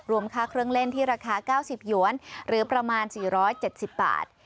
ค่าเครื่องเล่นที่ราคา๙๐หยวนหรือประมาณ๔๗๐บาท